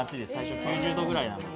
９０度ぐらいなので。